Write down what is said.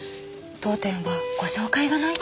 当店はご紹介がないと。